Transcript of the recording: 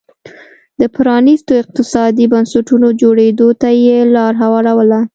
د پرانیستو اقتصادي بنسټونو جوړېدو ته یې لار هواروله